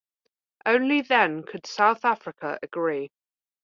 Only then could South Africa agree.